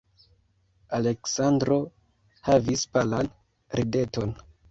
Aleksandro havis palan rideton.